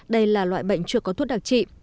đây là loại bệnh chưa có thuốc đặc trị